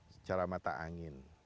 secara mata angin